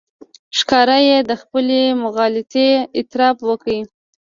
ښکاره یې د خپلې مغالطې اعتراف وکړ.